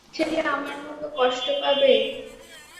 সে কী আমার মতো কষ্ট পাবে?